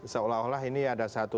seolah olah ini ada satu